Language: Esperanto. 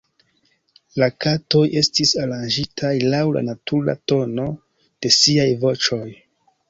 La katoj estis aranĝitaj laŭ la natura tono de siaj voĉoj.